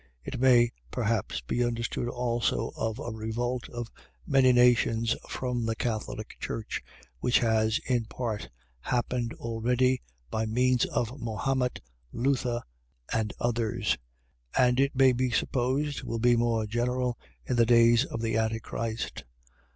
It may, perhaps, be understood also of a revolt of many nations from the Catholic Church; which has, in part, happened already, by means of Mahomet, Luther, &c., and it may be supposed, will be more general in the days of the Antichrist.